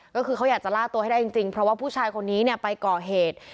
ก็คือเขาอยากจะล่าตัวให้ได้จริงเพราะว่าผู้ชายคนนี้ไปก่อเหตุ